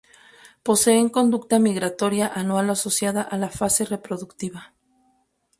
Poseen conducta migratoria anual asociada a la fase reproductiva.